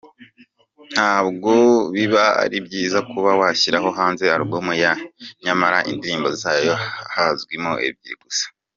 Ntabwo biba ari byiza kuba washyira hanze album nyamara indirimbo zayo hazwimo ebyiri gusa.